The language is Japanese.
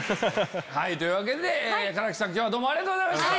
というわけで唐木さん今日はありがとうございました。